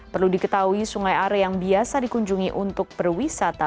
perlu diketahui sungai are yang biasa dikunjungi untuk perwisata